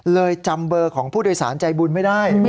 จำเบอร์ของผู้โดยสารใจบุญไม่ได้